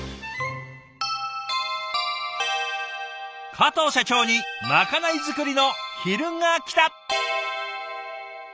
加藤社長にまかない作りの昼がきた！